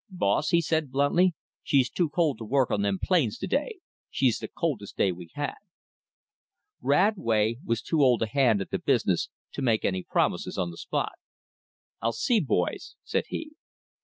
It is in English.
"Boss," said he bluntly, "she's too cold to work on them plains to day. She's the coldest day we had." Radway was too old a hand at the business to make any promises on the spot. "I'll see, boys," said he.